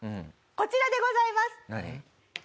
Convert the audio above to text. こちらでございます！